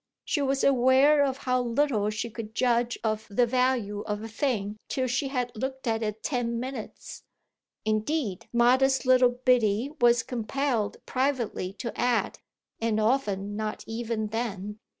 She was aware of how little she could judge of the value of a thing till she had looked at it ten minutes; indeed modest little Biddy was compelled privately to add "And often not even then."